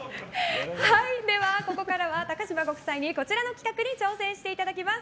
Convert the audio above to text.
ここからは高嶋ご夫妻にこちらの企画に挑戦していただきます。